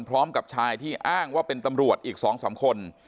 พร้อมกับชายที่อ้างว่าเป็นตำรวจอีก๒๓คน